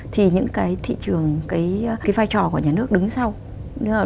thì những cái thị trường cái vai trò của nhà nước đứng sau